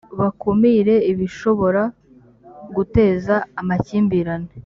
bakumire ibishobora guteza amakimbirane